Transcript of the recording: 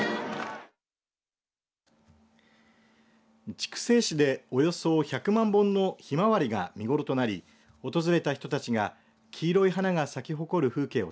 筑西市でおよそ１００万本のヒマワリが見頃となり訪れた人たちが黄色い花が咲き誇る風景を